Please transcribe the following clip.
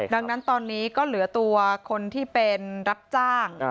ดังนั้นตอนนี้ก็เหลือตัวคนที่เป็นรับจ้าง